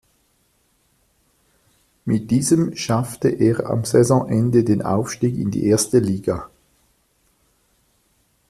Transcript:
Mit diesem schaffte er am Saisonende den Aufstieg in die erste Liga.